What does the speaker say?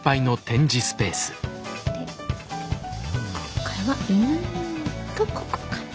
で今回はここかな。